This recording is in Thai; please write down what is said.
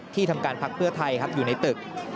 ทำการพักเพื่อไทยครับอยู่ในตึก